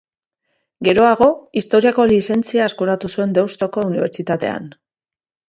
Geroago, Historiako lizentzia eskuratu zuen Deustuko Unibertsitatean.